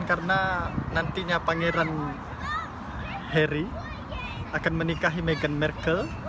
karena nantinya pangeran harry akan menikahi meghan markle